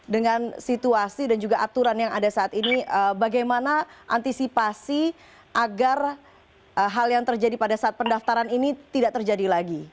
dengan situasi dan juga aturan yang ada saat ini bagaimana antisipasi agar hal yang terjadi pada saat pendaftaran ini tidak terjadi lagi